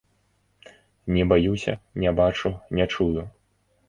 Не баюся, не бачу, не чую.